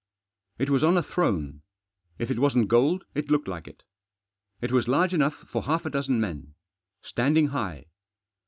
It was on a throne ; if it wasn't gold it looked like it. It was large enough for half a dozen men. Standing high.